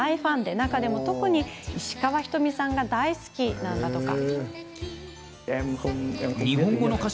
中でも特に石川ひとみさんが大好きなんだとか。